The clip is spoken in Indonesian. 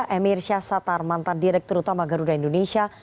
emir syahsatar mantan direktur utama garuda indonesia